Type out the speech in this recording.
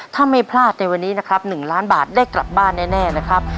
ถ้าไม่พลาดในวันนี้นะครับ๑ล้านบาทได้กลับบ้านแน่นะครับ